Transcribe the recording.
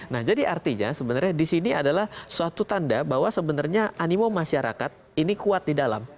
nah jadi artinya sebenarnya di sini adalah suatu tanda bahwa sebenarnya animo masyarakat ini kuat di dalam